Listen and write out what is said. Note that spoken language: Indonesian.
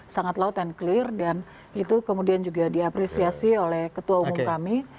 sangat loud and clear dan itu kemudian juga diapresiasi oleh ketua umum kami